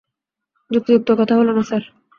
যুক্তিযুক্ত কথা হলো না, স্যার।